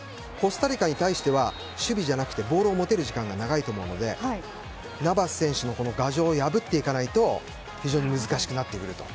日本も守備じゃなくてボールを持てる時間が長いと思うのでナバス選手の牙城を破っていかないと非常に厳しくなると。